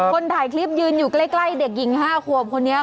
คนถ่ายคลิปยืนอยู่ใกล้เด็กหญิง๕ขวบคนนี้